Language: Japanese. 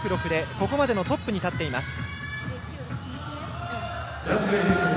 ここまでのトップに立っています。